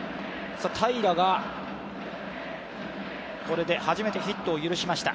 平良がこれで初めてヒットを許しました。